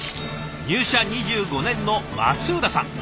入社２５年の松浦さん。